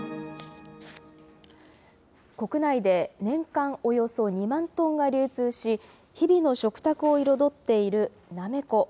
国内で年間およそ２万トンが流通し、日々の食卓を彩っているなめこ。